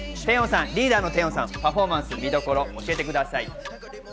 リーダーのテヨンさん、パフォーマンス、見どころを教えてください。